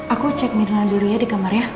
aku cek mirnal dulu ya di kamar ya